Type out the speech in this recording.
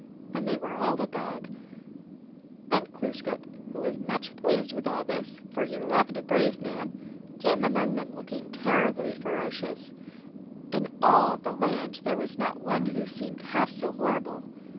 And they were all agog. GLOOSKAP THE DIVINITY. 117 Then Glooskap, who was much pleased with all this, for he loved a brave man, came among them look ing terribly ferocious ; in all the land there was not one who seemed half so horrible.